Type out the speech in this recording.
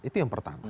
itu yang pertama